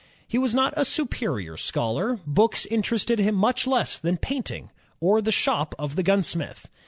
He was not a superior scholar. Books interested him much less than painting or the shop of the gunsmith.